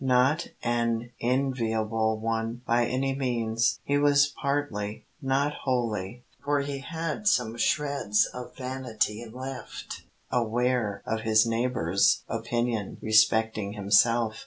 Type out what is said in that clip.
Not an enviable one, by any means. He was partly not wholly, for he had some shreds of vanity left aware of his neighbours' opinion respecting himself.